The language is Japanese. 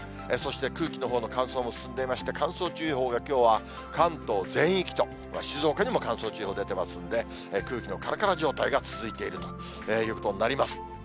そして空気のほうの乾燥も進んでいまして、乾燥注意報がきょうは関東全域と、静岡にも乾燥注意報出ていますので、空気のからから状態が続いているということになります。